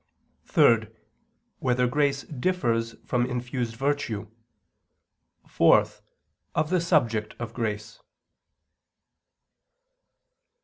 (3) Whether grace differs from infused virtue? (4) Of the subject of grace.